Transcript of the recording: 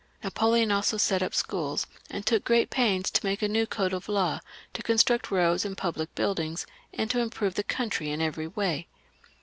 Napoleon also set up schools, and took great pains to make a new code of laws, to make roads and public buildings, and to improve the country in every way.